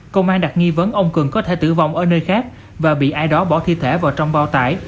công an đặt nghi vấn ông cường có thể tử vong ở nơi khác và bị ai đó bỏ thi thể vào trong bao tải